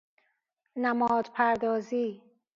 نماد پردازی